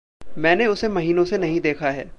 मैंने उसे महीनों से नहीं देखा है।